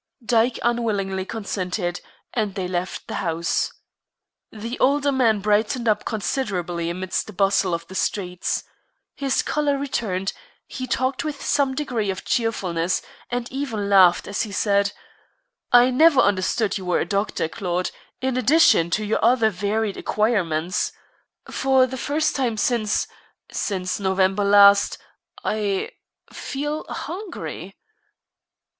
Dyke unwillingly consented, and they left the house. The older man brightened up considerably amidst the bustle of the streets. His color returned, he talked with some degree of cheerfulness, and even laughed as he said: "I never understood you were a doctor, Claude, in addition to your other varied acquirements. For the first time since since November last, I feel hungry."